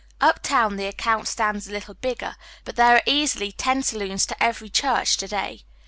Uptown the account stands a little better, but there are easily ten saloons to every church to day.